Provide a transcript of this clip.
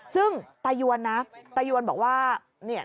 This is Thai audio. ซึ่งตายวนนะตายวนบอกว่า